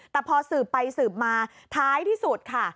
แต่พอสืบไปสืบมาท้ายที่สุดค่ะ